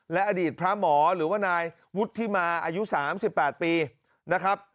และอดีตพระหมอหรือว่านายวุฒิมาอายุ๓๘ปีนะครับ